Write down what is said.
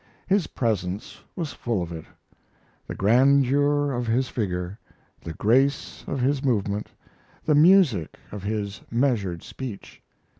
His presence was full of it: the grandeur of his figure; the grace of his movement; the music of his measured speech.